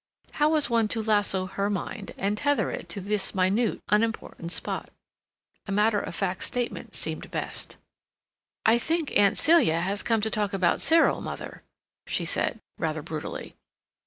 How was one to lasso her mind, and tether it to this minute, unimportant spot? A matter of fact statement seemed best. "I think Aunt Celia has come to talk about Cyril, mother," she said rather brutally.